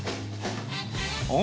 お？